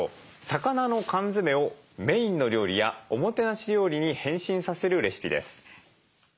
魚の缶詰をメインの料理やおもてなし料理に変身させるレシピです。